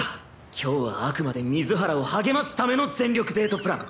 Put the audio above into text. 今日はあくまで水原を励ますための全力デートプラン。